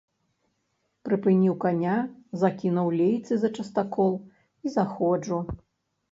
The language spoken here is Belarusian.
Прыпыніў каня, закінуў лейцы за частакол і заходжу.